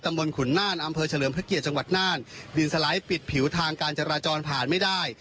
บนขุนน่านอำเภอเฉลิมพระเกียรติจังหวัดน่านดินสไลด์ปิดผิวทางการจราจรผ่านไม่ได้